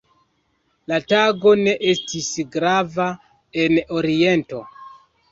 La tago ne estis grava en Oriento.